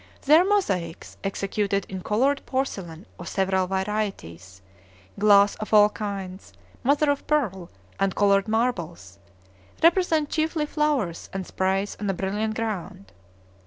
Their mosaics, executed in colored porcelain of several varieties, glass of all kinds, mother of pearl, and colored marbles, represent chiefly flowers and sprays on a brilliant ground.